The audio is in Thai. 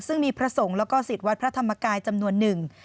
ซึ่งมีพระสงฆ์แล้วก็สิทธิ์วัดพระธรรมกายจำนวนหนึ่ง